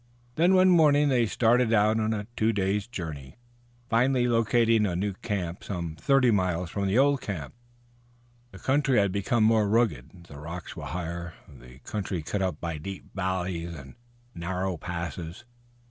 Then one morning they started out on a two days' journey, finally locating in a new camp some thirty miles from the old camp. The country had become more rugged, the rocks were higher, the country cut up by deep valleys and narrow passes.